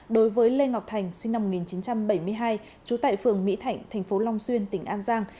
đối với lê ngọc thành sinh năm một nghìn chín trăm bảy mươi hai trú tại phường mỹ thạnh thành phố long xuyên tỉnh an giang